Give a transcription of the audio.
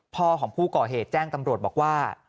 พ่อของผู้ก่อเหตุแจ้งตำรวจบอกว่า